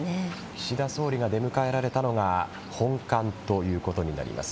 岸田総理が出迎えられたのが本館ということになります。